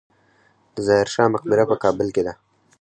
د ظاهر شاه مقبره په کابل کې ده